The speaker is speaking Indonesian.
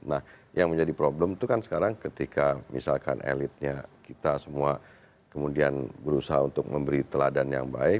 nah yang menjadi problem itu kan sekarang ketika misalkan elitnya kita semua kemudian berusaha untuk memberi teladan yang baik